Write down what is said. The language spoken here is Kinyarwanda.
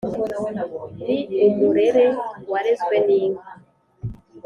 ni umurere warezwe n’inka